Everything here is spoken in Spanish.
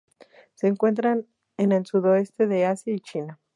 Se encuentran en el sudoeste de Asia y China.